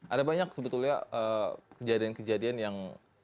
ada banyak sebetulnya kejadian kejadian yang